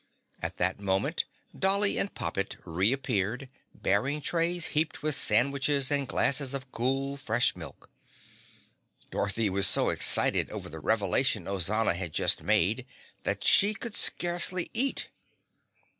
At this moment Dolly and Poppet reappeared bearing trays heaped with sandwiches and glasses of cool, fresh milk. Dorothy was so excited over the revelation Ozana had just made that she could scarcely eat.